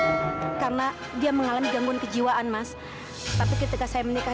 mas karena dia mengalami gembun kejiwaan mas satu kita saya menikah